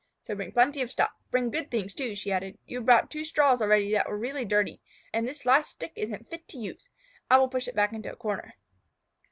"So bring plenty of stuff. Bring good things, too," she added. "You have brought two straws already that were really dirty, and this last stick isn't fit to use. I will push it back into a corner."